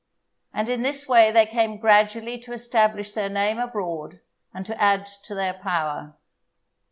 And in this way they came gradually to establish their name abroad, and to add to their power.